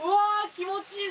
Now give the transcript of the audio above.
気持ちいい！